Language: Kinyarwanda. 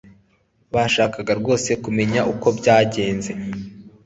Bashakaga rwose kumenya uko byagenze